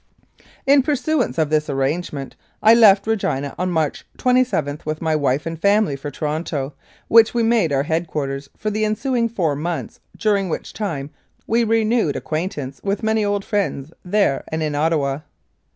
In pursuance of this arrangement I left Regina on March 27 with my wife and family for Toronto, which we made our head quarters for the ensuing four months, during which time we renewed acquaintance with many old friends there and in Ottawa.